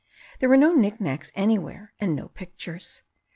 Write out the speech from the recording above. There were no knickknacks any where, and no pictures.